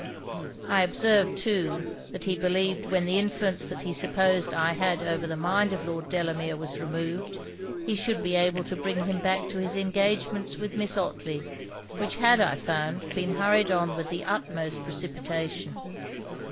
I observed, too, that he believed when the influence that he supposed I had over the mind of Lord Delamere was removed, he should be able to bring him back to his engagements with Miss Otley, which had, I found, been hurried on with the utmost precipitation.